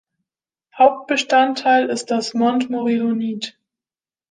Hauptbestandteil ist das Montmorillonit.